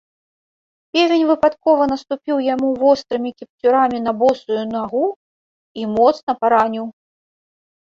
Певень выпадкова наступіў яму вострымі кіпцюрамі на босую нагу і моцна параніў.